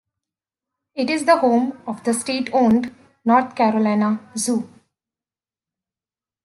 It is the home of the state-owned North Carolina Zoo.